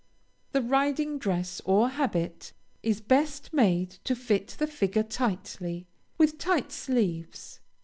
The riding dress, or habit, is best made to fit the figure tightly, with tight sleeves.